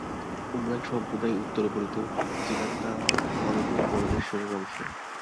অন্য এক সম্প্রদায় উত্তরে বলিত, জীবাত্মা অনন্ত পরমেশ্বরের অংশ।